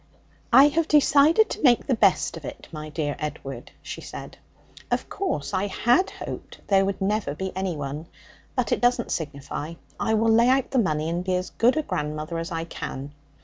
'I have decided to make the best of it, my dear Edward,' she said; 'of course, I had hoped there would never be anyone. But it doesn't signify. I will lay out the money and be as good a grandmother as I can.